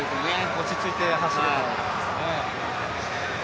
落ち着いて走れたようですね。